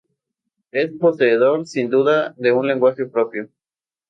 Es poseedor, sin duda, de un lenguaje propio.